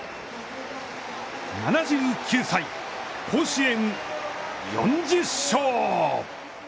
７９歳、甲子園４０勝。